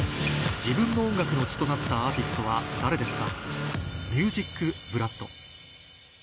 自分の音楽の血となったアーティストは誰ですか？